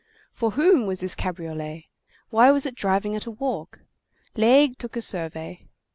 For whom was this cabriolet? Why was it driving at a walk? Laigle took a survey.